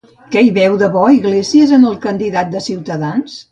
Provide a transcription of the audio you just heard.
Què hi veu de bo, Iglesias, en el candidat de Ciutadans?